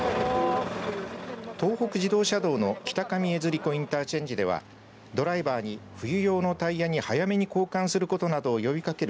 東北自動車道の北上江釣子インターチェンジではドライバーに冬用のタイヤに早めに交換することなどを呼びかける